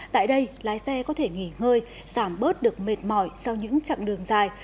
tại đây lái xe có thể nghỉ ngơi giảm bớt được mệt mỏi sau những chặng đường dài